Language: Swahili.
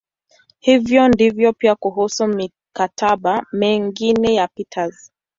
Hivyo ndivyo pia kuhusu "mikataba" mingine ya Peters.